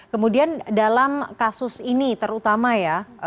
kemudian dalam kasus ini terutama ya